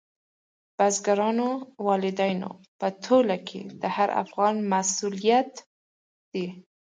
بزګرانو، والدینو په ټوله کې د هر افغان مسؤلیت دی.